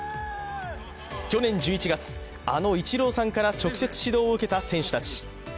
去年１１月、あのイチローさんから直接指導を受けた選手たち。